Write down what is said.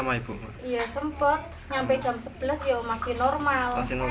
sampai jam sebelas ya masih normal